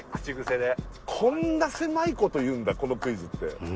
こんな狭い事言うんだこのクイズって。